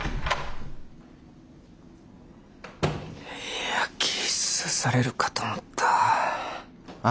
いやキッスされるかと思った。